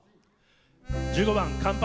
１５番「乾杯」。